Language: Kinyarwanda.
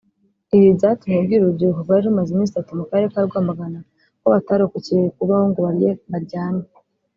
Ibi byatumye abwira urubyiruko rwari rumaze iminsi itatu mu Karere ka Rwamagana ko batarokokeye kubaho ngo barye baryame